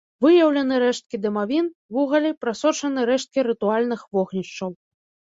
Выяўлены рэшткі дамавін, вугалі, прасочаны рэшткі рытуальных вогнішчаў.